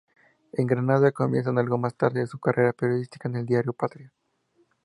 En Granada comienza algo más tarde su carrera periodística en el diario "Patria".